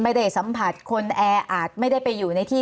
ไม่ได้สัมผัสคนแออาจไม่ได้ไปอยู่ในที่